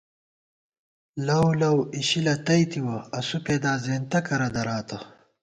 لَؤلَؤ اِشِلہ تئی تِوَہ ، اسُو پېدا زېنتہ کرہ دراتہ